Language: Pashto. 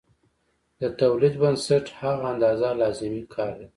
د تولید بنسټ هغه اندازه لازمي کار دی